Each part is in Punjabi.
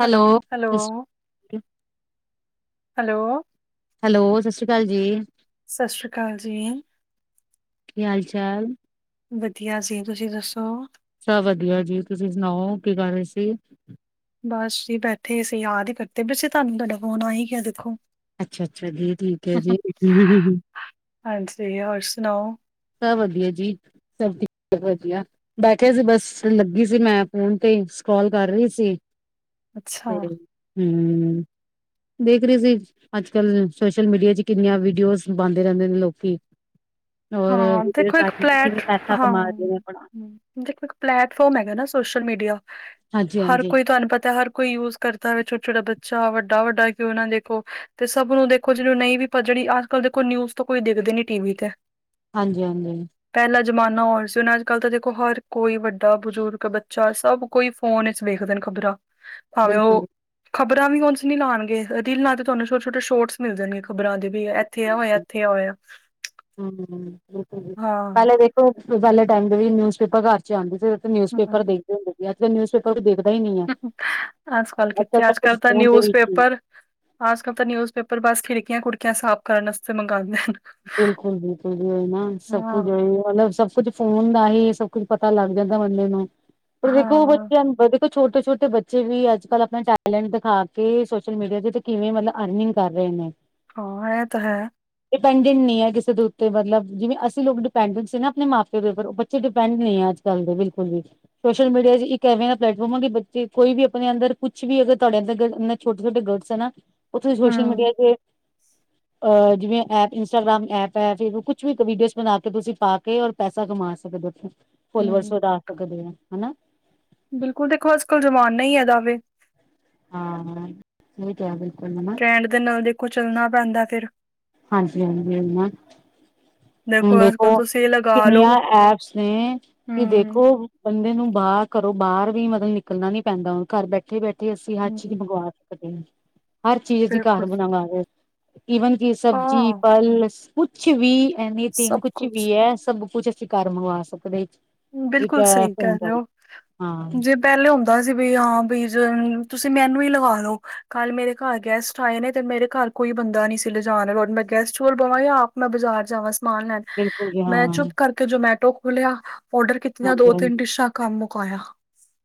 Hello, hello hello, hello. ਹੈਲੋ, ਸਸਰੀ ਕਾਲ ਜੀ। ਸਸਰੀ ਕਾਲ ਜੀ। ਕੀ ਹਾਲ-ਚਾਲ? ਵਧੀਆ ਜੀ। ਤੁਸੀਂ ਦੱਸੋ? ਸਭ ਵਧੀਆ ਜੀ, ਤੁਸੀਂ ਸੁਣਾਓ? ਕੀ ਕਰ ਰਹੇ ਸੀ? ਬਸ ਜੀ ਬੈਠੇ ਸੀ, ਯਾਦ ਹੀ ਕਰਦੇ ਪਏ ਸੀ ਤੁਹਾਨੂੰ, ਤੁਹਾਡਾ ਫੋਨ ਆ ਹੀ ਗਿਆ, ਦੇਖੋ। ਅੱਛਾ- ਅੱਛਾ, ਜੀ, ਠੀਕ ਹੈ ਜੀ, ਓ ਹੂੰ ਹੁ। ਹਾਂਜੀ, ਹੋਰ ਸੁਣਾਓ? ਸਭ ਵਧੀਆ ਜੀ, ਸਭ ਠੀਕ ਆ, ਵਧੀਆ। ਬੈਠੇ ਸੀ ਬੱਸ ਲੱਗੀ। ਜੀ, ਮੈਂ ਫੋਨ ਤੇ ਸਕਰੋਲ ਕਰ ਰਹੀ ਸੀ, ਅੱਛਾ, ਤੇ, ਹੂੰ। ਦੇਖ ਰੇ ਸੀ, ਅੱਜ-ਕੱਲ ਸੋਸ਼ਲ ਮੀਡੀਆ ਵਿੱਚ ਕਿੰਨੀਆਂ ਵੀਡੀਓਜ਼ ਪਾਂਦੇ ਰਹਿੰਦੇ ਨੇ ਲੋਕੀ। ਔਰ ਹਾਂ, ਵੀਡੀਓ ਦੇਖੋ ਇੱਕ ਰਾਹੀਂ ਫਲੈਟ, ਕਿਵੇਂ ਪੈਸਾ ਹਾਂ ਕਮਾ ਰਹੇ ਹੂੰ। ਨੇ ਆਪਣਾ, ਦੇਖੋ, ਇੱਕ ਪਲੇੈਟਫਾਰਮ ਹੈਗਾ ਨਾ ਸੋਸ਼ਲ ਮੀਡੀਆ। ਹਰ ਹਾਂਜੀ-ਹਾਂਜੀ, ਕੋਈ, ਤੁਹਾਨੂੰ ਪਤਾ ਹਰ ਕੋਈ ਯੂਜ। ਕਰਦਾ ਵੇ ਛੋਟਾ - ਛੋਟਾ ਬੱਚਾ, ਵੱਡਾ-ਵੱਡਾ ਕਿਉਂ ਨਾ ਦੇਖੋ ਤੇ ਸਭ ਨੂੰ ਦੇਖੋ, ਜਿਹਨੂੰ ਨਹੀਂ ਵੀ। ਪਰ! ਜਿਹੜੀ ਆਜ-ਕੱਲ ਦੇਖੋ ਨਿਊਜ਼ ਤੋਂ ਕੋਈ ਦੇਖਦੇ ਨੀ ਟੀਵੀ ਤੇ। ਹਾਂਜੀ, ਹਾਂਜੀ। ਪਹਿਲਾ ਜ਼ਮਾਨਾ ਔਰ ਸੀ, ਹੁਣ ਅੱਜ - ਕੱਲ ਤਾਂ ਦੇਖੋ ਹਰ ਕੋਈ ਵੱਡਾ, ਬਜ਼ੁਰਗ, ਬੱਚਾ ਸਭ। ਕੋਈ ਫੋਨ ਇਚ ਵੇਖਦੇ ਨੇ ਖ਼ਬਰਾਂ, ਭਾਵੇਂ, ਬਿਲਕੁਲ। ਉਹ। ਖ਼ਬਰਾਂ ਵੀ ਓਣ ਸੁ ਨੀ ਲਾਉਣਗੇ, ਰੀਲਾਂ ਤੇ ਤੁਹਾਨੂੰ ਛੋਟੇ ਛੋਟੇ ਸ਼ੋਰਟਸ ਮਿਲ ਜਾਣਗੇ, ਖ਼ਬਰਾਂ ਦੇ ਵੀ ਏਹ। ਇੱਥੇ [unintelligible] ਹੋਇਐ, ਇੱਥੇ ਆ ਹੋਇਆ ਹਾਂ ਪਹਿਲੇ ਦੇਖੋ, ਦੂਜਾ ਆਲੇ ਟਾਈਮ ਦੇ ਵੀ ਨਿਊਜ਼ਪੇਪਰ [unintelligible] [unintelligible] ਨਿਊਜ਼ ਹਮ, ਪੇਪਰ ਦੇਖ ਲਓ, ਅੱਜ ਤੇ ਨਿਊਜ਼ ਪੇਪਰ ਕੋ ਦੇਖਦਾ ਹੀ ਨਹੀਂ ਐ। ਅਜ ਕਲ ਕਿੱਥੇ, ਅੱਜ ਕੱਲ ਤਾਂ ਫੋਨ ਦੇ ਨਿਊਜ਼ ਵਿੱਚ ਹੀ ਪੇਪਰ। ਅਜ ਕੱਲ ਤਾਂ ਨਿਊਜ਼ ਪੇਪਰ ਬਸ ਖਿੜਕੀਆਂ ਖੁੜਕੀਆਂ ਸਾਫ਼ ਕਰਨ ਵਾਸਤੇ ਮੰਗਵਾਉਂਦੇ ਹਨ। ਬਿਲਕੁਲ, ਬਿਲਕੁਲ ਵੀ ਉਇ ਨਾ, ਸਭ ਕੁਛ ਹਾਂ ਹੋਏ ਮਤਲਬ ਸਭ ਕੁਛ। ਫੋਨ ਦਾ ਹੀ ਸਭ ਕੁੱਝ ਪਤਾ ਲੱਗ ਜਾਂਦਾ ਬੰਦੇ ਨੂੰ, ਪਰ ਦੇਖੋ ਹਾਂ ਬੱਚਿਆਂ ਨੂੰ ਵਧੀਆ ਛੋਟੇ-ਛੋਟੇ ਬੱਚੇ ਵੀ ਅੱਜ-ਕੱਲ੍ਹ ਆਪਣਾ ਟੈਲੈਂਟ ਦਿਖਾ ਕੇ ਸੋਸ਼ਲ ਮੀਡੀਆ ਦੇ ਤੇ ਕਿਵੇਂ ਮਤਲਬ ਅਰਨਿੰਗ ਕਰ ਰਹੇ ਨੇ। ਹਾਂ ਇਹ ਤਾਂ ਹੈ। ਡਿਪੈਂਡੈਂਟ ਨਈਂ ਏ ਕਿਸੇ ਦੇ ਉੱਤੇ ਮਤਲਬ ਜਿਵੇਂ ਅਸੀਂ ਲੋਕ ਡਿਪੈਂਡੈਂਟ ਸੀ ਨਾ ਆਪਣੇ ਮਾਪੇ ਦੇ ਉੱਪਰ ਬ ਚੇ ਡਿਪੈਂਡ ਨਈਂ ਏ ਅੱਜ-ਕੱਲ ਦੇ ਬਿਲਕੁਲ ਵੀ। ਸੋਸ਼ਲ ਮੀਡੀਆ ਚ ਇੱਕ ਇਹੋ ਜਿਹਾ ਪਲੇਟਫਾਰਮ ਆ ਕਿ ਬੱਚੇ ਕੋਈ ਵੀ ਆਪਣੇ ਅੰਦਰ ਕੁਛ ਵੀ ਅਗਰ ਤੁਹਾਡੇ ਅੰਦਰ ਛੋਟੇ-ਛੋਟੇ ਗਰਡਸ ਐ ਨਾ ਉੱਥੇ ਸੋਸ਼ਲ ਹਮ ਮੀਡੀਆ ਤੇ ਅ ਜਿਵੇਂ ਏਪ ਇੰਸਟਾਗ੍ਰਾਮ ਐਪ ਐ ਕੁਛ ਵੀ ਵੀਡੀਓਸ ਬਣਾ ਕੇ ਤੁਸੀਂ ਪਾਕੇ ਔਰ ਪੈਸਾ ਕਮਾ ਸਕਦੇ ਉੱਥੇ ਫੁਲਵਰਸ ਹਮ ਵਧਾ ਸਕਦੇ ਔ ਹਨਾਂ। ਬਿਲਕੁਲ ਦੇਖੋ ਅੱਜ-ਕੱਲ ਜਮਾਨਾ ਈ ਇਦਾ ਵੇ। ਹਾਂ ਹਾਂ ਸਹੀ ਕਿਆ ਬਿਲਕੁਲ ਮ ਟ੍ਰੈੰਡ ਦੇ ਨਾਲ ਦੇਖੋ ਚੱਲਣਾ ਪੈਂਦਾ ਫੇਰ ਹਾਂਜੀ ਹਾਂਜੀ, ਉਹੀ ਨਾਂ ਹੁਣ ਦੇਖੋ ਕਿੰਨੀਆਂ ਐਪਸ ਨੇ ਕਿ ਦੇਖੋ ਬੰਦੇ ਨੂੰ ਬਾਹਰ ਘਰੋ ਬਾਹਰ ਵੀ ਮਤਲਬ ਨਿਕਲਣਾ ਨੀ ਪੈਂਦਾ, ਘਰ ਬੈਠੇ ਇੱਥੇ ਬੈਠੇ ਅਸੀਂ ਹਰ ਚੀਜ਼ ਮੰਗਵਾ ਸਕਦੇ, ਆਂ, ਹਰ ਚੀਜ਼ ਅਸੀਂ ਘਰ ਬਣਾਵਾਓ ਈਵਨ ਸਬਜ਼ੀ ਫਲ ਕੁਛ ਵੀ ਐਨੀਥਿੰਗ ਕੁਛ ਵੀ ਐ ਸਭ ਕੁਛ ਘਰ ਮੰਗਵਾ ਸਕਦੇ। ਇੱਕ ਬਿਲਕੁਲ ਸਹੀ ਫੋਨ ਕਿਹ ਰਏ ਰਾਹੀਂ ਔ ਹਾਂ ਜੇ ਪਹਿਲੇ ਹੁੰਦਾ ਸੀ ਬੀ ਹਾਂ ਬੀ ਤੁਸੀਂ ਮੈਨੂੰ ਹੀ ਲਗਾ ਲੋੋ। ਕੱਲ ਮੇਰੇ ਘਰ ਗੈਸਟ ਆਏ ਨੇ ਤੇ ਮੇਰੇ ਘਰ ਕੋਈ ਬੰਦਾ ਨਈਂ ਸੀ ਲਿਜਾਣ ਮੈਂ ਗੈਸਟ ਚਲ ਬਵਾਂ ਜਾਂ ਆਪ ਮੈਂ ਬਾਜ਼ਾਰ ਜਾਵਾਂ ਸਮਾਨ ਲੈਣ। ਬਿਲਕੁਲ ਜੀ ਹਾਂ ਮੈਂ ਚੁੱਪ ਕਰਕੇ ਜੋਮੈਟੋ ਖੋਲਿਆ, ਔਡਰ ਕੀਤੀਆਂ ਹਾਂਜੀ ਦੋ-ਤਿੰਨ ਹਾਂਜੀ ਡਿਸ਼ਾਂ ਕੰਮ ਮੁਕਾਇਆ।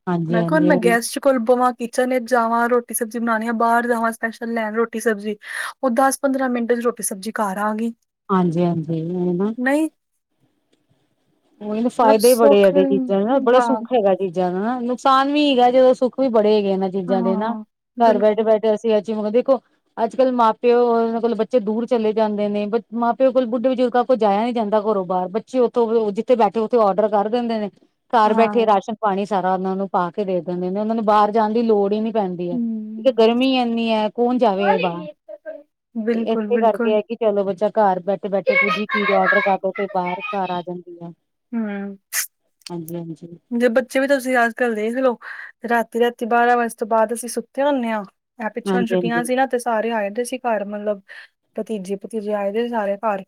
ਹਾਂਜੀ ਮੈਂ ਕਿਹਾ ਹੁਣ ਮੈਂ ਹਾਂਜੀ ਗੈਸਟ ਚ ਕੁਲਬਵਾਂ ਕਿਚਨ ਵਿੱਚ ਜਾਵਾਂ, ਰੋਟੀ ਸਬਜ਼ੀ ਬਣਾਉਣੀ ਆ, ਬਾਹਰ ਜਾਵਾਂ ਸਪੈਸ਼ਲ ਲੈਣ ਰੋਟੀ ਸਬਜ਼ੀ ਉਹ ਦਸ-ਪੰਦਰਾਂ ਮਿੰਟ ਚ ਰੋਟੀ ਸਬਜ਼ੀ ਘਰ ਆ ਗਈ। ਹਾਂਜੀ ਹਾਂਜੀ, ਉਹ ਨਾ ਨਈਂ ਉਈ ਨਾਂ ਫਾਇਦੇ ਹੀ ਬੜੇ ਇਹਦੇ ਚੀਜ਼ਾਂ ਨੂੰ ਨਾ ਬੜਾ ਸੁੱਖ ਹੈਗਾ ਐ। ਚੀਜ਼ਾਂ ਦਾ ਨੁਕਸਾਨ ਵੀ ਹੈਗਾ ਜਦੋਂ ਸੁੱਖ ਵੀ ਬੜੇ ਹੈਗੇ ਇਹਨਾਂ ਚੀਜ਼ਾਂ ਦੇ ਨਾ ਘਰ ਬੈਠੇ-ਬੈਠੇ ਅਸੀਂ ਅੱਜ ਹੁਣ ਦੇਖੋ ਅੱਜ-ਕੱਲ੍ਹ ਮਾਂ ਪਿਓ ਮਤਲਬ ਬੱਚੇ ਦੂਰ ਚਲੇ ਜਾਂਦੇ ਨੇ ਬਚ ਮਾਂ ਪਿਓ ਕੋਲ ਬੁੱਢੇ ਬਜ਼ੁਰਗਾਂ ਕੋ ਜਾਇਆ ਨੀ ਜਾਂਦਾ ਘਰੋ ਬਾਰ ਬੱਚੇ ਉੱਥੋਂ ਜਿੱਥੇ ਬੈਠੇ ਉੱਥੇ ਰਡਰ ਕਰ ਦਿੰਦੇ ਨੇ ਘਰ ਬੈਠੇ ਰਾਸ਼ਨ ਪਾਣੀ ਸਾਰਾ ਉਹਨਾ ਨੂੰ ਪਾ ਕੇ ਦੇ ਦਿੰਦੇ ਨੇ ਉਹਨਾਂ ਨੂੰ ਬਾਹਰ ਜਾਣ ਦੀ ਲੋੜ ਈ ਨੀ ਪੈਂਦੀ। ਗਰਮੀ ਇੰਨੀ ਐ ਕੌਣ ਜਾਵੇ ਬਾਹਰ ਤੇ ਇਸੇ ਕਰਕੇ ਐ ਕਿ ਚਲੋ ਬੱਚਾ ਘਰ ਬੈਠੇ ਬੈਠੇ ਕੁੱਝ ਵੀ ਚੀਜ਼ ਆਡਰ ਕਰਦੋ ਤੇ ਬਾਹਰ ਘਰ ਆ ਜਾਂਦੀ ਆ। ਹਂ ਹਾਂਜੀ ਹਾਂਜੀ। ਜ ਬੱਚੇ ਵੀ ਤੁਸੀਂ ਅਜ-ਕੱਲ ਦੇਖ ਲਓ, ਰਾਤੀ-ਰਾਤੀ ਬਾਰਾਂ ਵਜੇ ਤੋਂ ਬਾਅਦ ਅਸੀਂ ਸੁੱਤੇ ਹੁਣੇ ਆਂ। ਇਹ ਪਿੱਛੇ ਹੁਣ ਹਾਂਜੀ ਹਾਂਜੀ ਛੁੱਟੀਆਂ ਸੀ ਨਾ ਤੇ ਸਾਰੇ ਆਏ ਦੇ ਸੀ ਘਰ ਮਤਲਬ ਭਤੀਜੇ ਭੁਤੀਜੇ ਆਏ ਦੇ ਸੀ ਸਾਰੇ ਘਰ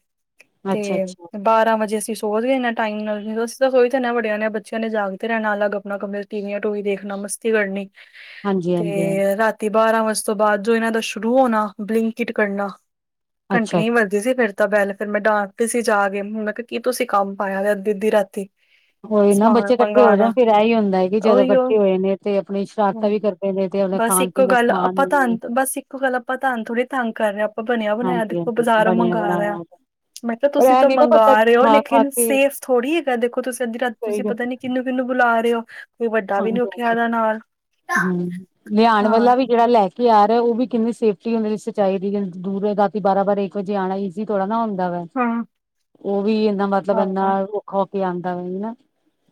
ਤੇ ਅੱਛਾ ਅੱਛਾ ਬਾਰਾਂ ਵਜੇ ਅਸੀਂ ਸੋਚ ਗਏੰਨਾ ਟਾਈਮ ਨਾਲ ਅਸੀਂ ਤਾਂ ਸੋਹੀ ਤੇ ਇਨਾ ਵੜੇਆ ਣੇ ਬੱਚਿਆਂ ਨੇ ਜਾਗ ਤੇ ਰਹਿਣਾ ਅਲੱਗ ਆਪਣਾ ਕਮਰੇ ਟੀਵੀ ਟੂਵੀ ਦੇਖਣਾ ਮਸਤੀ ਕਰਨੀ ਹਾਂਜੀ ਹਾਂਜੀ ਹਾਂਜੀ ਤੇ ਰਾਤ ਤੇ ਬਾਰਾਂ ਵਜੇ ਤੋਂ ਬਾਅਦ ਜੋ ਇਹਨਾਂ ਦਾ ਸ਼ੁਰੂ ਹੋਣਾ ਬਲਿੰਕਟ ਕਰਨਾ ਅੱਛਾ ਘੰਟੀਆਂ ਹੀ ਵੱਜਦੀ ਅੱਛਾ ਬਿਸੀ ਫਿਰ ਤਾਂ ਬਹਿਲ, ਫਿਰ ਮੈਂ ਡਾਂਟਦੀ ਸੀ ਜਾ ਕੇ, ਹੁਣ ਮੈਂ ਕਿਹਾ, ਕੀ ਤੁਸੀਂ ਕੰਮ ਪਾਇਆ ਅੱਧੀ-ਅੱਧੀ ਰਾਤੀ। ਹੋਈ ਨਾ, ਸਮਾਨ ਬੱਚੇ ਕੱਠੇ ਹੋ ਮੰਗਵਾਉਣਾ ਜਾਣ, ਫਿਰ ਇਹੀ ਹੁੰਦਾ ਐ ਕਿ ਜਦੋਂ ਉਹੀਓ ਕੱਠੇ ਹੋਏ ਨੇ ਤੇ ਆਪਣੀ ਸ਼ਰਾਰਤਾਂ ਹਮ, ਵੀ ਕਰ ਬਸ ਇੱਕੋ ਗੱਲ ਆਪਾਂ ਧੰਤ ਬਸ ਇੱਕੋ ਗੱਲ ਆਪਾਂ ਧੰਤ ਥੋੜ੍ਹੀ ਤੰਗ ਕਰ ਰਹੇ ਅਪ ਬਣਿਆ-ਬਣਾਇਆ ਹਾਂਜੀ ਦੇਖੋ, ਹਾਂਜੀ ਬਾਜ਼ਾਰੋਂ ਬਣਿਆ ਮੰਗਾ ਬਣਾਇਆ ਰਿਆ। ਮੈਂ ਕਿਆ, ਪਰ ਤੁਸੀਂ ਇਹ ਤਾਂ ਨੀ ਨਾ ਪਤਾ ਮੰਗਾ ਕਿ ਰਹੇ ਹੋ, ਖਾ ਖਾ ਲੇਕਿਨ ਕੇ ਸੇਫ਼ ਥੋੜ੍ਹੀ ਹੈਗਾ, ਦੇਖੋ ਤੁਸੀਂ ਅੱਧੀ ਰਾਤ ਸਹੀ ਤੁਸੀਂ ਗੱਲ ਪਤਾ ਨੀ ਕਿੰਨ ਕਿਨੂੰ ਬੁਲਾ ਰਹੇ ਹੋ? ਵੱਡਾ ਵੀ ਨੀ ਹਾਂਜੀ, ਉੱਠਿਆ ਹਾਂਜੀ ਦਾ ਨਾਲ ਹਾਂ ਹਮ ਲਿਆਉਣ ਹਾਂ ਵਾਲਾ ਵੀ। ਜਿਹੜਾ ਲੈ ਕੇ ਆ ਰਿਹਾ, ਉਹ ਵੀ ਕਿੰਨੀ ਸੇਫ਼ਟੀ ਹੁੰਦੀ ਸਚਾਈ ਦੀ, ਦੂਰ ਰਾਤੀ ਬਾਰਾਂ-ਬਾਰ ਇੱਕ ਵਜੇ ਆਣਾ। ਜੀ, ਥੋੜ੍ਹਾ ਨਾ ਆਉਂਦਾ ਵੇ। ਹਾਂ ਉਹ ਵੀ ਇੱਦਾਂ, ਮਤਲਬ ਇੰਨਾ ਔਖਾ ਹੋ ਕੇ ਆਉਂਦਾ ਵੇ, ਨਾ?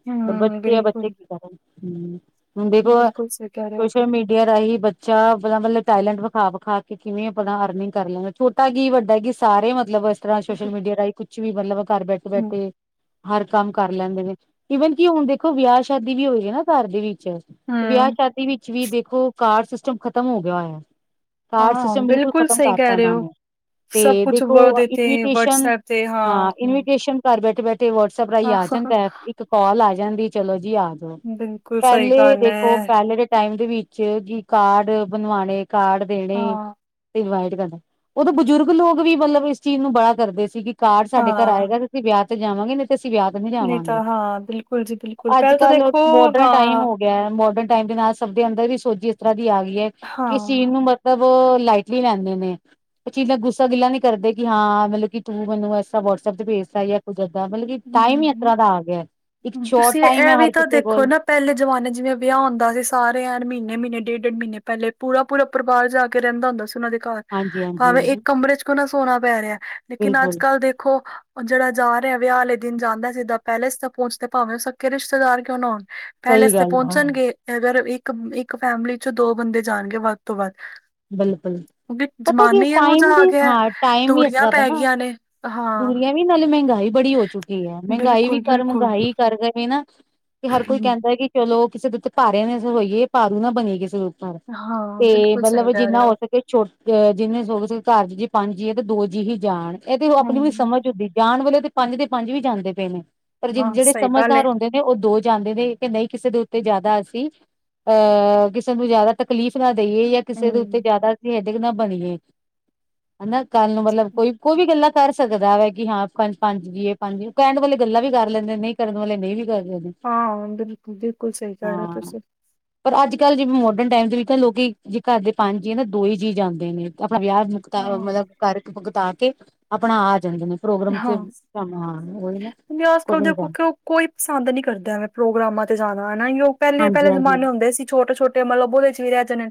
ਹਮ ਬੱਚੇ ਆ, ਬੱਚੇ ਬਿਲਕੁਲ ਕੀ ਕਰਨ, ਹੂ। ਹੁਣ ਬਿਬਵਾਂ ਬਿਲਕੁਲ ਸਹੀ ਕਹਿ ਰਹੇ ਹੋ ਸੋਸ਼ਲ ਮੀਡੀਆ ਰਾਹੀਂ ਬ [unintelligible] ਛਾ ਬਰਾਬਲ ਟੈਲੈਂਟ ਵਿਖਾ-ਵਿਖਾ ਕੇ ਕਿਵੇਂ ਆਪ ਅਰਨਿੰਗ ਕਰ ਲੈਂਦਾ। ਛੋਟਾ ਕੀ, ਵੱਡਾ ਕੀ, ਸਾਰੇ ਹੀ, ਮਤਲਬ ਬਸ ਤਰ੍ਹਾਂ ਸੋਸ਼ਲ ਮੀਡੀਆ ਰਾਹੀਂ ਕੁਝ ਵੀ, ਮਤਲਬ ਘਰ ਹਮ ਬੈਠੇ-ਬੈਠੇ। ਹਰ ਕੰਮ ਕਰ ਲੈਂਦੇ ਨੇ। ਈਵਨ ਕਿ ਹੁਣ ਦੇਖੋ, ਵਿਆਹ-ਸ਼ਾਦੀ ਵੀ ਹੋਈ ਹੈ ਨਾ ਘਰ ਦੀ ਵਿ [unintelligible] [unintelligible] ਤੇ ਹਮ ਵਿਆਹ-ਸ਼ਾਦੀ ਵਿੱਚ ਵੀ ਦੇਖੋ, ਕਾਰਡ ਸਿਸਟਮ ਖ਼ਤਮ ਹੋ ਗਿਆ ਹੋਇਆ। ਕਾਰਡ ਹਾਂ ਸਿਸਟਮ ਬਿਲਕੁਲ ਖ਼ਤਮ ਸਹੀ ਕਰਤਾ ਕਹਿ ਰਹੇ ਇਹਨਾਂ ਹੋ ਨੇ। ਸਭ ਤੇ ਕੁਛ ਦੇਖੋ, ਵ ਦੇਤੇ ਇਨਵੀਟੇਸ਼ਨ ਵਟਸਐਪ ਤੇ ਹਾਂ, ਇਨਵੀਟੇਸ਼ਨ। ਘਰ ਬੈਠੇ-ਬੈਠੇ ਵਟਸਐਪ ਰਾਹੀਂ ਆ ਹਾਂ ਜਾਂਦਾ, ਇੱਕ ਕਾਲ ਆ ਜਾਂਦੀ, ਚਲੋ ਜੀ, ਆ ਜਾਓ। ਬਿਨ। [unintelligible] ਪਹਿਲੇ ਦੇਖੋ, ਟਾਈਮ ਦੇ ਵਿੱਚ, ਜੀ ਕਾਰਡ ਬਣਵਾਣੇ, ਕਾਰਡ ਦੇਣੇ, ਹਾਂ ਤੇ ਇਨਵਾਈਟ ਕਰਨਾ। ਉਦੋਂ ਬਜ਼ੁਰਗ ਲੋਕ ਵੀ ਮਤਲੱਬ ਇਸ ਚੀਜ਼ ਨੂੰ ਬਡਾ ਕਰਦੇ ਸੀ, ਕਿ ਕਾਰਡ ਸਾਡੇ ਘਰ ਹਾਂ ਆਏਗਾ। ਵਿਆਹ ਤੇ ਜਾਵਾਂਗੇ ਨਹੀਂ ਤੇ ਅਸੀਂ ਵਿਆਹ ਤੇ ਨਹੀਂ ਤਾਂ, ਜਾਵਾਂਗੇ ਹਾਂ ਬਿਲਕੁਲ ਜੀ, ਬਿਲਕੁਲ। ਅੱਜ ਪਹਿਲਾਂ ਤਾਂ ਕੱਲ੍ਹ ਦੇਖੋ, ਮੋਡਰਨ ਟਾਈਮ ਹਾਂ ਹੋ ਗਿਆ ਮੋਡਰਨ ਟਾਈਮ ਦੇ ਨਾਲ ਸਭ ਦੇ ਅੰਦਰ ਵੀ ਹੀ ਸੋਜ਼ੀ ਇਸ ਤਰ੍ਹਾਂ ਦੀ ਆ ਗਈ ਹੈ, ਕਿ ਚੀਜ਼ ਹਾਂ ਨੂੰ ਮਤ ਮਤਲਬ, ਉਹ ਲਾਈਟਲੀ ਲੈਂਦੇ ਨੇ। ਓ ਚੀਜ਼ ਦਾ ਗੁੱਸਾ ਗਿਲਾ ਨਹੀਂ ਕਰਦੇ ਕਿ, ਹਾਂ, ਮਤਲਬ ਕਿ ਤੂੰ ਮੈਨੂੰ ਐਸਾ ਤਰਾਂ ਵਟਸਐਪ ਤੇ ਭੇਜ ਤਾ ਯਾ [unintelligible] ਹੋ ਸਕਦਾ, ਮਤਲਬ ਕਿ ਟਾਈਮ ਹੀ ਇਸ ਹਮ ਤਰ੍ਹਾਂ ਦਾ ਆ ਗਿਆ। ਇੱਕ ਸ਼ੋਟ ਤੁਸੀਂ ਟਾਈਮ ਹੈ ਇਹ ਵੀ ਹਰ ਤਾਂ ਕਿਸ ਦੇਖੋ ਨਾ ਪਹਿਲੇ ਜਮਾਣੇ ਜਿਵੇਂ ਵਿਆਹ ਹੁੰਦਾ ਸੀ, ਸਾਰੇ ਐਣ ਮਹੀਨੇ- ਮਹੀਨੇ ਡੇਢ-ਡੇਢ ਮਹੀਨੇ ਪਹਿਲੇ ਪੂਰਾ ਪੂਰਾ ਪਰ ਬਾਰ ਜਾ ਕੇ ਰਹਿੰਦਾ ਹੁੰਦਾ ਸੀ, ਉਹਨਾਂ ਦੇ ਘਰ ਹਾਂਜੀ ਹਾਂਜੀ ਭਾਵੇਂ ਇੱਕ ਕਮਰੇ ਚ ਕਿਉਂ ਨਾ ਸੌਣਾ ਪੈ ਰਿਹਾ, ਲੇਕਿਨ ਬਿਲਕੁਲ ਅੱਜਕੱਲ੍ਹ ਦੇਖੋ, ਜਿਹੜਾ ਜਾ ਰਿਹਾ ਵਿਆਹ ਵਾਲੇ ਦਿਨ ਜਾਂਦਾ ਸਿੱਧਾ ਪੈਲੇਸ ਤਕ ਪਹੁੰਚਦਾ, ਭਾਵੇਂ ਉਹ ਸਕੇ ਰਿਸ਼ਤੇਦਾਰ ਕਿਉਂ ਨਾ ਹੋਣ। ਸਹੀ ਪੈਲੇਸ ਤੇ ਗੱਲ ਹਾਂ ਪਹੁੰਚਣਗੇ। ਅਗਰ ਇੱਕ-ਇੱਕ ਫੈਮਲੀ ਚ ਦੋ ਬੰਦੇ ਜਾਣਗੇ ਵੱਧ ਤੋਂ ਵੱਧ। ਬਿਲਕੁਲ। ਕਿਉਂਕਿ ਪਤਾ ਕੀ ਜ਼ਮਾਨਾ ਹੀ ਇਹੋ ਟਾਈਮ ਜਿਹਾ ਆ ਬਿ ਗਿਆ ਹਾਂ, ਟਾਈਮ ਵੀ ਇਸ ਦੂਰੀਆਂ ਤਰ੍ਹਾਂ ਦਾ ਪੈ ਨਾ, ਗਈਆਂ ਨੇ ਹਾਂ ਦੂਰੀਆਂ ਫਿਰ ਨਾਲੇ ਮਹਿੰਗਾਈ ਬੜੀ ਹੋ ਚੁੱਕ ਕੀਏ, ਮਹਿੰਗਾਈ ਵੀ ਕਰ ਬਿਲਕੁਲ-ਬਿਲਕੁਲ ਮਹਿੰਗਾਈ ਕਰਕੇ ਵੀ ਨਾ, ਤੇ ਹਰ ਕੋਈ ਕਹਿੰਦਾ ਕਿ ਚਲੋ, ਕਿਸੇ ਦੇ ਉੱਤੇ ਭਾਰੇ ਨਾ [inaudible] ਹੋਈਏ, ਭਾਰੂ ਨਾ ਬਣੀਏ ਕਿਸੇ ਦੇ ਹਾਂ, ਤੇ ਬਿਲਕੁਲ। ਸਹੀ ਮਤਲਬ ਕਹਿ ਜਿੰਨਾ ਰਹੇ ਹੋ ਸਕੇ, ਛੋਟ ਅ ਜਿੰਨੇ [unintelligible] ਘਰ ਚ ਜੇ ਪੰਜ ਜੀਅ ਤਾਂ ਦੋ ਜੀਅ ਹੀ ਜਾਣ। ਇਹ ਤੇ ਉਹ ਆਪਣੀ ਵੀ ਹੂੰ ਸਮਝ ਹੁੰਦੀ, ਜਾਣ ਵਾਲੇ ਤੇ ਪੰਜ ਤੇ ਪੰਜ ਵੀ ਜਾਂਦੇ ਪਏ ਨੇ, ਪਰ ਜੇ ਜਿਹੜੇ ਸਮਝਦਾਰ ਹੁੰਦੇ ਉਹ ਦੋ ਜਾਂਦੇ ਨੇ, ਕਿ ਨਹੀਂ ਕਿਸੇ ਦੇ ਉੱਤੇ ਜ਼ਿਆਦਾ ਅਸੀਂ ਆ, ਕਿਸੇ ਨੂੰ ਜ਼ਿਆਦਾ ਤਕਲੀਫ਼ ਨਾ ਦੇਈਏ, ਯ ਕਿਸੇ ਦੇ ਉੱਤੇ ਜ਼ਿਆਦਾ ਹੈਡੀਕ ਨਾ ਬਣੀਏ। [inaudible] ਹਨਾ, ਕੱਲ੍ਹ ਨੂੰ ਮਤਲਬ ਕੋਈ ਵੀ ਗੱਲਾਂ ਕਰ ਸਕਦਾ ਐ ਕਿ ਹਾਂ, ਪੰਜ-ਪੰਜ ਜੀਅ ਪੰਜ ਕਹਿਣ ਵਾਲੇ ਗੱਲਾਂ ਵੀ ਕਰ ਲੈਂਦੇ ਨੇ, ਨਈ ਕਰਨ ਵਾਲੇ ਨਈ ਵੀ ਕਰ ਲੈਂਦੇ। ਹਾਂ, ਬਿਲਕੁਲ, ਬਿਲਕੁਲ ਸਹੀ ਕਹ ਰਹੇ ਓ ਤੁਸੀਂ। ਪਰ ਅੱਜਕੱਲ੍ਹ, ਜਿਵੇਂ ਮਾਡਰਨ ਟਾਈਮ ਦੇ ਵੀ ਲੋਕੀ ਜੇ ਘਰ ਦੇ ਪੰਜ ਜੀਅ ਨੇ ਦੋ ਹੀ ਜੀਅ ਜਾਂਦੇ ਨੇ। ਆਪਣਾ ਵਿਆਹ ਮੁੱਕਤਾ ਮਤਲਬ ਘਰ ਮੁੱਕਤਾ ਕੇ ਆਪਣਾ ਆ ਜਾਏ ਨੇ। ਪ੍ਰੋਗਰਾਮ ਚ ਕੰਮਾਂ ਉਹਹੀ ਨਾ ਕਰ ਜਾ [inaudible] ਕੋਈ ਪਸੰਦ ਨਹੀਂ ਕਰਦਾ ਐਵੇਂ ਪ੍ਰੋਗਰਾਮਾਂ ਤੇ ਜਾਣਾ ਹਨਾ ਉਹ ਪਹਿਲੇ ਹਾਂਜੀ ਹਾਂਜੀ ਪਹਿਲੇ ਹਾਂਜੀ ਜਮਾਨੇ ਹੁੰਦੇ ਸੀ ਛੋਟੇ ਛੋਟੇ ਤੇ ਮਤਲਬ ਬ ਉਹਦੇ ਚ ਰਹਿ ਜਾਂਦੇ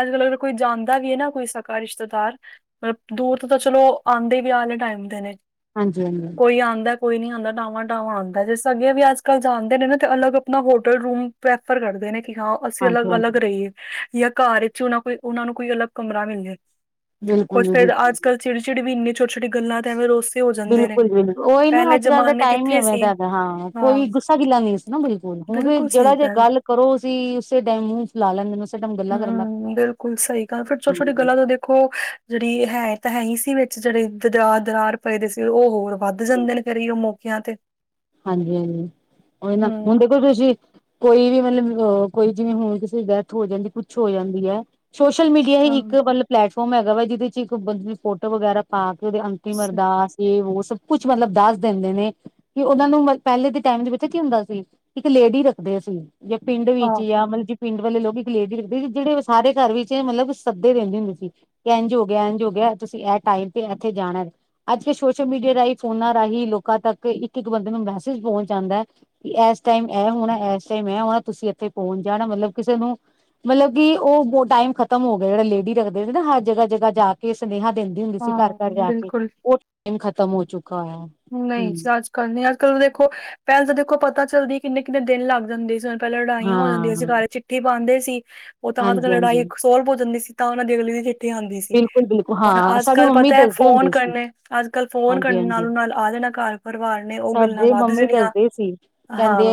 ਅੱਜ ਕੱਲ੍ਹ ਅਗਰ ਕੋਈ ਜਾਂਦਾ ਵੀ ਹੈ ਨਾ ਕੋਈ ਸਕਾ ਰਿਸ਼ਤੇਦਾਰ ਮਤਲਬ ਦੂਰ ਤੋਂ ਤਾਂ ਚਲੋ ਆਉਂਦੇ ਹੀ ਵਿਆਹ ਵਾਲੇ ਟਾਈਮ ਤੇ ਨੇ। ਹਾਂਜੀ ਹਾਂਜੀ। ਕੋਈ ਆਉਂਦਾ ਕੋਈ ਨੀ ਆਂਦਾ ਡਵਾਂ ਡਾਵਾਂ ਆਉਂਦਾ ਜਿਸ ਅੱਗੇ ਵੀ ਅੱਜ ਕੱਲ ਜਾਂਦੇ ਨੇ ਨਾ ਤੇ ਅਲਗ ਆਪਣਾ ਹੋਟਲ ਰੂਮ ਪ੍ਰੈਫਰ ਕਰਦੇ ਨੇ ਕਿ ਹਾਂ ਅਸੀਂ ਹਾਂਜੀ ਅਲੱਗ ਅਲੱਗ ਹਾਂਜੀ ਰਹੀਏ ਯਾ ਘਰ ਵਿੱਚ ਉਹ ਕੋਈ ਉਹਨਾਂ ਨੂੰ ਕੋਈ ਅਲੱਗ ਕਮਰਾ ਮਿਲੇ। ਬਿਲਕੁਲ ਕੁੁਸ਼ ਜੀ ਫਿਰਰ ਅਜ ਬਿਲਕੁਲ ਕੱਲ ਚਿੜੀ ਚਿੜੀ ਵੀਨਨੀ ਛੋਟੀ ਛੋਟੀ ਗੱਲਾਂ ਤੇ ਐਵੇਂ ਰੋਸ ਬਿਲਕੁਲ ਬਿਲਕੁਲ ਹੀ ਨਾ ਅੱਜ ਕੱਲ ਦਾ ਟਾਈਮ ਹੀ ਕਿੱਥੇ ਐਵੇਂ ਸੀ ਦਾ ਹਾਂ ਕੋਈ ਗੁੱਸਾ ਗਿੱਲਾ ਨਹੀਂ ਨਾ ਬਿਲਕੁਲ ਹੁਣ ਤੇ ਜਿਹੜਾ ਜੇ ਗੱਲ ਕਰੋ ਅਸੀ ਉਸੇ ਟਾਈਮ ਮੂੰਹ ਫੈਲਾ ਲੈਂਦੇ ਨੇ ਉਸੇ ਟਾਈਮ ਗੱਲਾਂ ਕਰਨ ਲ ਹੂੰ ਬਿਲਕੁਲ ਸਹੀ ਗ ਫਿਰ ਛੋਟੀ ਛੋਟੀ ਗੱਲਾਂ ਤੋਂ ਦੇਖੋ ਜਿਹੜੀ ਹੈ ਤਾਂ ਹੈ ਹੀ ਸੀ ਵਿੱਚ ਜਿਹੜੇ ਦਰ ਦਰਾਰ ਪਏਦੇ ਸੀ ਉਹ ਹੋਰ ਵੱਧ ਜਾਂਦੇ ਨੇ ਘਰੇ ਉਹ ਮੌਕਿਆਂ ਤੇ। ਹਾਂਜੀ ਹਾਂਜੀ ਉਹ ਹੁਣ ਹੂੰ ਤੁਸੀਂ ਕੋਈ ਵੀ ਮਤਲਬ ਕੋਈ ਜਿਵੇਂ ਹੁਣ ਕਿਸੇ ਦੀ ਡੈਥ ਹੋ ਜਾਂਦੀ ਕੁੱਛ ਹੋ ਜਾਂਦੀ ਹੈ। ਸੋਸ਼ਲ ਮੀਡੀਆ ਹਾਂ ਹੀ ਇੱਕ ਮਤਲਬ ਪਲੈਟਫਾਰਮ ਹੈਗਾ ਵਾ ਜਿਹਦੇ ਚ ਇੱਕ ਬੰਦੇ ਫੋਟੋ ਵਗੈਰਾ ਪਾ ਕੇ ਉਹਦੇੰ ਸ ਮਰਦਾਸ ਇਹ ਵੋ ਸਭ ਕੁਛ ਮਤਲਬ ਦੱਸ ਦਿੰਦੇ ਨੇ। ਕਿ ਉਹਨਾ ਨੂੰ ਪਹਿਲੇ ਦੇ ਟਾਈਮ ਦੇ ਵਿੱਚ ਕੀ ਹੁੰਦਾ ਸੀ ਇੱਕ ਲੇਡੀ ਰੱਖਦੇ ਅਸੀਂ। ਜੇ ਪਿੰਡ ਵਿੱਚ ਆਹੋ ਜਾਂ ਮਤਲਬ ਪਿੰਡ ਵਾਲੇ ਲੋਕ ਗਲੇਜ ਰੱਖਦੇ ਸੀ ਜਿਹੜੇ ਸਾਰੇ ਘਰ ਵਿੱਚ ਮਤਲਬ ਸੱਦੇ ਰਹਿੰਦੇ ਹੁੰਦੇ ਸੀ। ਇੰਝ ਹੋ ਗਿਆ ਇੰਝ ਹੋ ਗਿਆ ਤੁਸੀਂ ਇਹ ਟਾਈਮ ਤੇ ਇੱਥੇ ਜਾਣਾ। ਅੱਜ ਕਲ ਸੋਸ਼ਲ ਮੀਡੀਆ ਰਾਹੀਂ ਫੋਨਾਂ ਰਾਹੀਂ ਲੋਕਾਂ ਤੱਕ ਇੱਕ ਇੱਕ ਬੰਦੇ ਨੂੰ ਮੈਸੇਜ ਪਹੁੰਚ ਜਾਂਉਦਾ। ਕਿ ਇਸ ਟਾਈਮ ਐ ਹੋਣਾ ਇਸ ਟਾਈਮ ਐਂ ਹੋਣਾ ਤੁਸੀਂ ਇੱਥੇ ਪਹੁੰਚ ਜਾਣਾ ਮਤਲਬ ਕਿਸੇ ਨੂੰ ਮਤਲਬ ਕਿ ਉਹ ਟਾਈਮ ਖਤਮ ਹੋ ਗਿਆ ਜਿਹੜਾ ਲੇਡੀ ਰੱਖਦੇ ਨਾ ਹਰ ਜਗ੍ਹਾ ਜਗ੍ਹਾ ਜਾ ਕੇ ਕੇ ਸੁਨੇਹਾ ਦਿੰਦੀ ਹੁੰਦੀ ਸੀ ਘਰ ਹਾਂ ਘਰ ਜਾ ਕੇ ਬਿਲਕੁਲ ਉਹ ਟਾਈਮ ਖਤਮ ਹੋ ਚੁੱਕਾ ਹੋਇਆ। ਨਹੀਂ ਹਮ ਅੱਜ ਕੱਲ ਨ ਅੱਜ ਕੱਲ ਦੇਖੋ ਪਹਿਲ ਤਾਂ ਦੇਖੋ ਪਤਾ ਚੱਲਦੀ ਕਿੰਨੇ ਕਿੰਨੇ ਦਿਨ ਲੱਗ ਜਾਂਦੇ ਸੀ। ਪਹਿਲਾਂ ਲੜਾਈਆਂ ਹੋ ਜਾਂਦੀਆਂ ਸੀ ਹਾਂ ਕ ਚਿੱਠੀ ਪਾਉਦੇ ਸੀ ਉਹ ਤਾਂ ਤੱਕ ਹਾਂਜੀ ਹਾਂਜੀ ਲੜਾਈ ਸੋਲ ਹੋ ਜਾਂਦੀ ਸੀ ਤਾਂ ਉਹਨਾਂ ਦੀ ਅਗਲੀ ਦੀ ਆਉਂਦੀ ਸੀ ਬਿਲਕੁਲ ਬਿਲਕੁਲ ਹੁਣ ਹਾਂ ਅੱਜ ਸਾਡੀ ਕੱਲ ਮੰਮੀ ਪਤਾ ਹੈ ਕਰਨੇ ਦੱਸਦੇ ਫੋਨ ਹੁੰਦੇ ਸੀ ਕਰਨੇ ਅੱਜ ਕੱਲ੍ਹ ਫੋਨ ਹਾਂਜੀ ਕਰਨ ਹਾਂਜੀ ਨਾਲੋਂ ਨਾਲ ਆ ਜਾਣਾ ਘਰ ਪਰਿਵਾਰ ਨੇ ਉਹ ਗੱਲਾਂ ਸਾਡੇ ਵੱਧ ਮੰਮੀ ਜਾਣੀਆਂ ਹਾਂ।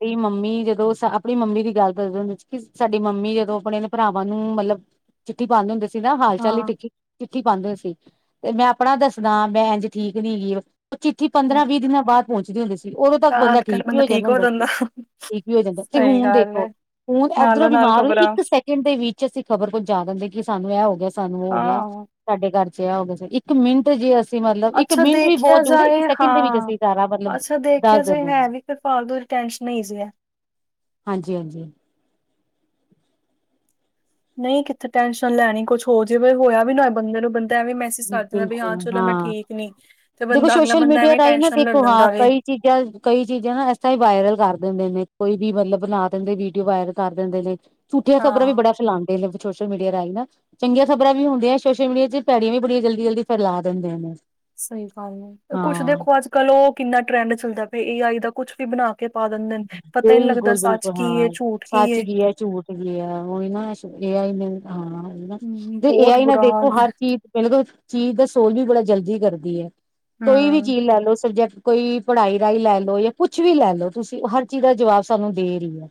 ਤੇ ਮੰਮੀ ਜਦੋਂ ਆਪਣੀ ਮਮੀ ਦੀ ਗੱਲ ਕਰਦੇ ਸਾਡੀ ਮੰਮੀ ਜਦੋਂ ਆਪਣੇ ਨੇ ਭਰਾਵਾਂ ਨੂੰ ਮਤਲਬ ਚਿੱਠ ਪਾਂਦੇ ਹੁੰ ਸੀ ਨਾ ਹਾਂ ਚੱਲੀ ਟਿੱਖੀ ਚਿੱਠੀ ਪਾਉਂਦੇ ਸੀ ਤੇ ਮੈਂ ਆਪਣਾ ਦੱਸਦਾ ਮੈਂ ਇੰਜ ਠੀਕ ਨੀ ਗ ਉਹ ਚਿੱਠੀ ਹਾਂ, ਪੰਦਰਾਂਹ ਦਿਨਾਂ ਬਾਅਦ ਪਹੁੰਚਦੀ ਹੁੰਦੀ ਸੀ। ਉਦੋਂ ਤੱਕ ਬੰਦਾ ਠੀਕ ਵੀ ਹੋ ਜਾਂਦਾ ਹੁੰਦਾ ਸੀ ਠੀਕ ਵੀ ਹੋ ਜਾਂਦਾ ਤੇ ਸਹੀ ਹੁਣ ਗੱਲ ਦੇਖੋ। ਹੈ ਹ ਇਧਰੋਂ ਨਾਲੋਂ ਨਾਲ ਬਿਮਾਰ ਲੋ ਖ਼ਬਰਾਂ ਇੱਕ ਦਿਨ ਦੇ ਵਿੱਚ ਅਸੀਂ ਖ਼ਬਰ ਪਹੁੰਚਾ ਦਿੰਦੇ ਕਿ ਸਾਨੂੰ ਇਹ ਹੋ ਗਿਆ ਸਾਨੂੰ ਉਹ ਹੋ ਗਿਆ। ਹਾਂ ਸਾਡੇ ਘਰ ਚ ਆ ਹੋਗੇ ਇੱਕ ਮਿੰਟ ਜੇ ਅਸੀਂ ਅਂ ਮਤਲਬ ਇੱਕ ਅੱਛਾ ਮਿੰਟ ਵੀ ਦੇਖਿਆ ਬਹੁਤ ਜੂਦ ਇੱਕ ਜਾਏ ਸੈਕਿੰਡ ਦੇ ਵਿੱਚ ਹਾਂ ਅਸੀਂ ਸਾਰਾ ਮਤਲਬ ਅੱਛਾ ਦੇਖਿਆ ਦੱਸ ਜਾਏ ਦਿੰਦੇ ਹੈ ਹਾਂ। ਵੀ ਫਿਰ ਫਾਲਤੂ ਚ ਟੈਂਸ਼ਨ ਇਹ ਸੀਆ ਹਾਂਜੀ ਹਾਂਜੀ। ਨਹੀਂ ਕਿੱਥੇ ਟੈਨਸ਼ਨ ਲੈਣੀ ਕੁਛ ਹੋ ਜੇਵੇ ਹੋਇਆ ਵੀ ਨ ਬੰਦੇ ਨੂੰ ਬੰ ਬੰਦਾ ਐਵੇ ਵੀ ਮੈਸੇਜ ਕਰ ਦਿੰਦਾ ਵੀ ਹਾਂ ਚਲੋ ਮੈਂ ਠੀਕ ਨੀ ਤੇ ਦੇਖੋ ਬੰਦਾ ਅਗਲਾ ਸੋਸ਼ਲ ਬੰਦਾ ਮੀਡੀਆ ਐਵੇਂ ਰਾਹੀਂ ਨਾ ਟੈਨਸ਼ਨ ਲੱ ਦੇਖੋ ਹਾਂ ਲੈਂਦਾ ਵੇ ਕਈ ਚੀਜ਼ਾਂ ਕਈ ਚੀਜ਼ਾਂ ਨਾ ਇਸ ਤਰ੍ਹਾਂ ਵਾਇਰਲ ਕਰ ਦਿੰਦੇ ਨੇ ਕੋਈ ਵੀ ਮਤਲਬ ਨਾ ਦਿੰਦੇ ਵੀਡੀਓ ਵਾਇਰਲ ਕਰ ਦਿੰਦੇ ਨੇ। ਝੂਠੀਆਂ ਖ਼ਬਰਾਂ ਵੀ ਹਾਂ ਬੜ ਫੈਲਾਂਦੇ ਸੋਸ਼ਲ ਮੀਡੀਆ ਰਾਹੀਂ ਨਾ ਚੰਗੀਆਂ ਖ਼ਬਰਾਂ ਵੀ ਹੁੰਦੀਆਂ ਸੋਸ਼ਲ ਮੀਡੀਆ 'ਚ ਪੈੜੀਆਂ ਵੀ ਬੜੀ ਜਲਦੀ-ਜਲਦੀ ਫੈਲਾ ਦਿੰਦੇ ਨੇ। ਸਹੀ ਗੱਲ ਏ ਕੁੱਛ ਹਾਂ ਦੇਖੋ ਅੱਜ ਕੱਲ ਓ ਕਿੰਨਾ ਟਰੈਂਡ ਚੱਲਦਾ ਪ ਏ ਆਈ ਦਾ ਕੁਛ ਵੀ ਬਣਾ ਕੇ ਪਾ ਦਿੰਦੇ ਨੇ ਪਤਾ ਹੀ ਨਹੀਂ ਲੱਗਦਾ ਸੱਚ ਕੀ ਏ ਝੂਠ ਕੀ ਏ। ਯਾ ਝੂ ਓ ਨਾ ਏ ਆਈ ਨੇ ਹਾਂ ਨਾ ਹੂੰ ਤੇ ਏ ਬਹੁਤ ਆਈ ਨਾਲ ਬੁਰਾ ਹਾਲ ਦੇਖੋ ਹੈ। ਹਰ ਚੀਜ਼ ਮੈਨੂੰ ਕੋਲ ਚੀਜ਼ ਦਾ ਸੋਲ ਵੀ ਬੜਾ ਜਲਦੀ ਕਰਦੀ ਹੈ ਕੋਈ ਵੀ ਹੂੰ ਚੀਜ਼ ਲੈ ਲਓ ਸਬਜੈਕਟ ਕੋਈ ਪੜ੍ਹਾਈ ਰਾਹੀਂ ਲੈ ਲਓ ਜਾਂ ਕੁਛ ਵੀ ਲੈ ਲਓ ਤੁਸੀਂ ਹਰ ਚੀਜ਼ ਦਾ ਜਵਾਬ ਸਾਨੂੰ ਦੇ ਰਈ ਐ।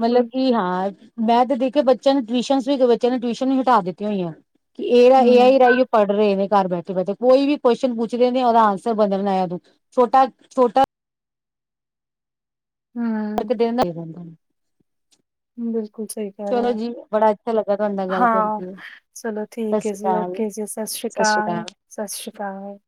ਮਤਲਬ ਕਿ ਹਾਂ। ਮੈਂ ਤੇ ਦੇਖਿਆ ਬੱਚਿਆਂ ਨੂੰ ਟਿਊਸ਼ਨ ਵੀ ਬੱਚਿਆਂ ਨੇ ਟਿਊਸ਼ਨ ਵੀ ਹਟਾ ਦਿੱਤੀਆਂ ਹੋਈਆਂ। ਕਿ ਏ-ਏ ਹੂੰ ਆਈ ਹੀ ਰਾਹੀਂ ਓ ਪੜ੍ਹ ਰਹੇ ਨੇ ਘਰ ਬੈਠੇ-ਬੈਠੇ ਕੋਈ ਵੀ ਕੁਸ਼ਨ ਪੁੱਛਦੇ ਨੇ ਉਹਦਾ ਆਂਸਰ ਬਦਲਣਾ ਦ ਛੋਟਾ-ਛੋਟਾ ਹੂੰ ਕਰਕੇ ਦੇਣਾ [unintelligible] ਰੈਂਦਾ ਬਿਲਕੁਲ ਸਹੀ ਕਹਿ ਰਏ ਚਲੋ ਓ ਜੀ ਬੜਾ ਅੱਛਾ ਲੱਗਾ ਤੁਹਾਡੇ ਨਾਲ ਗੱਲ ਹਾਂ ਕਰਕੇ ਚਲੋ। ਸਤਿ ਠੀਕ ਏ ਸ਼੍ਰੀ ਜੀ ਅਕਾਲ ਓਕੇ ਜੀ ਸਤਿ ਸ਼੍ਰੀ ਅਕਾਲ ਸਤਿ ਸ਼੍ਰੀ ਅਕਾਲ